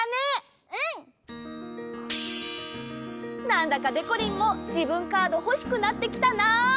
なんだかでこりんも自分カードほしくなってきたな！